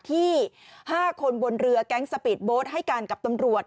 ที่๕คนบนเรือแก๊งสปีดโบ๊ทให้การกับตำรวจ